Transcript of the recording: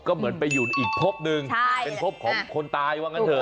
ก็เหมือนไปอยู่อีกพบนึงเป็นพบของคนตายว่างั้นเถ